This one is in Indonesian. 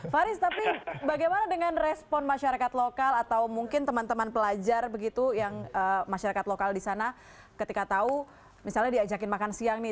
faris tapi bagaimana dengan respon masyarakat lokal atau mungkin teman teman pelajar begitu yang masyarakat lokal di sana ketika tahu misalnya diajakin makan siang nih